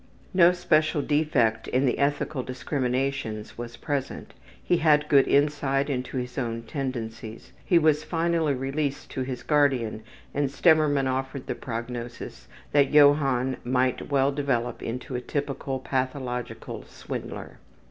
No special defect in the ethical discriminations was present. He had good insight into his own tendencies. He was finally released to his guardian, and Stemmermann offered the prognosis that Johann might well develop into a typical pathological swindler.